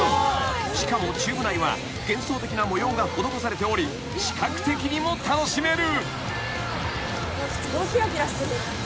［しかもチューブ内は幻想的な模様が施されており視覚的にも楽しめる］